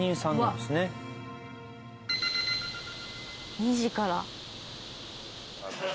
２時から。